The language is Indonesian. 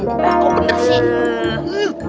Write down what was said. kok bener sih